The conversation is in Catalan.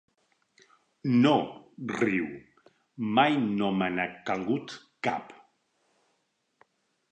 No —riu—, mai no me n'ha calgut cap.